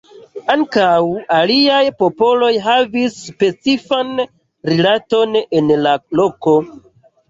Ankaŭ aliaj papoj havis specifan rilaton al la loko.